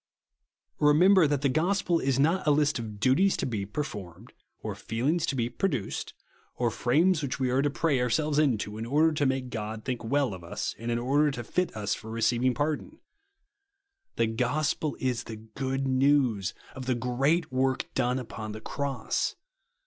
Remember that the gospel is not a list of duties to be performed, or feelings to be produced, or frames which we are to pray ourselves into, in order to make God think well of us, and in order to fit us for receiv ing pardon. The gospel is the good news of the great work done upon the cross.